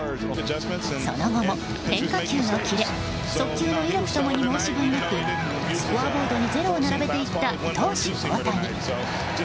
その後も、変化球のキレ速球の威力共に申し分なく、スコアボードにゼロを並べていった投手大谷。